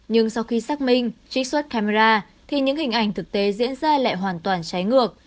nhưng sau khi xác minh trích xuất camera thì những hình ảnh thực tế diễn ra lại hoàn toàn trái ngược